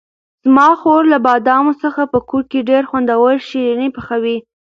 زما خور له بادامو څخه په کور کې ډېر خوندور شیریني پخوي.